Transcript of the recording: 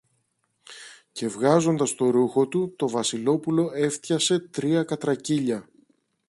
Και βγάζοντας το ρούχο του, το Βασιλόπουλο έφτιασε τρία κατρακύλια.